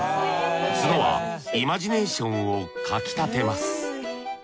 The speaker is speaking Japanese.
ツノはイマジネーションをかきたてます。